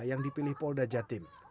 yang dipilih polda jatim